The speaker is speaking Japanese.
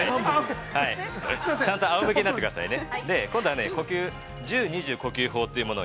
◆あおむけになってくださいね。